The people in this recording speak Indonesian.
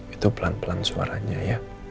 itu pelan pelan suaranya ya